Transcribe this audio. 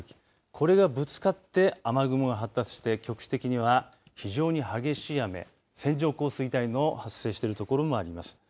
これがぶつかって雨雲が発達して局地的には非常に激しい雨線状降水帯の発生している所もあります。